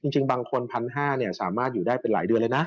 จริงบางคน๑๕๐๐สามารถอยู่ได้เป็นหลายเดือนเลยนะ